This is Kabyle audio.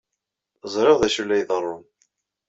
Ẓriɣ d acu ay la iḍerrun.